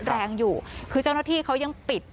แรงอยู่คือเจ้าหน้าที่เขายังปิด